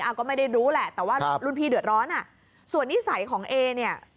ก็ไม่ได้รู้แหละแต่ว่ารุ่นพี่เดือดร้อนอ่ะส่วนนิสัยของเอเนี่ย